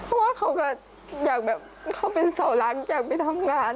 เพราะว่าเขาก็อยากแบบเขาเป็นเสาหลังจากไปทำงาน